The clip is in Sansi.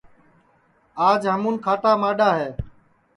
آج ہمُون کھاٹا ماڈؔا ہے